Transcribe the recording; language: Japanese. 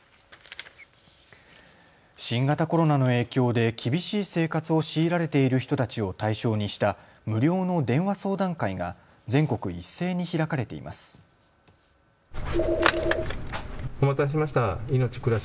新型コロナの影響で厳しい生活を強いられている人たちを対象にした無料の電話相談会が全国一斉に開かれています。